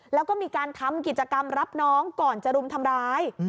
แล้วก็มีการทำกิจกรรมรับน้องก่อนจะรุมทำร้าย